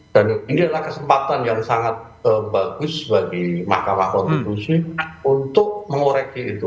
dan ini adalah kesempatan yang sangat bagus bagi mahkamah konstitusi untuk mengoreksi itu